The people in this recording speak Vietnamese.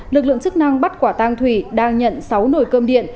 lực lượng chức năng bắt quả tang thủy đang nhận sáu nồi cơm điện